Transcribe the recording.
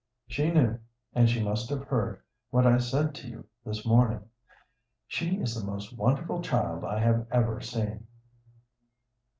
She knew, and she must have heard what I said to you this morning. She is the most wonderful child I have ever seen."